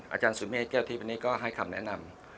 อาจารย์สุเมฆแก้วที่เป็นนี่ก็ให้คำแนะนำ